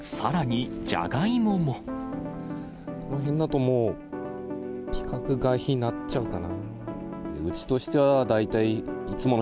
このへんだともう、規格外品になっちゃうかな。